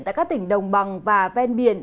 tại các tỉnh đồng bằng và ven biển